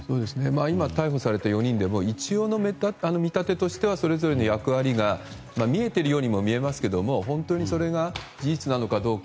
今、逮捕された４人でも一応の見立てとしてはそれぞれの役割が見えているようにも見えますが本当にそれが事実なのかどうか。